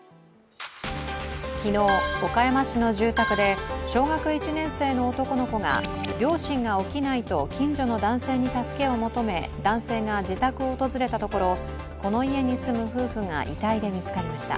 昨日、岡山市の住宅で小学１年生の男の子が両親が起きないと近所の男性に助けを求め、男性が自宅を訪れたところこの家に住む夫婦が遺体で見つかりました。